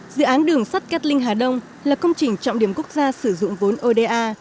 dự án đường sắt cát linh hà đông là công trình trọng điểm quốc gia sử dụng vốn oda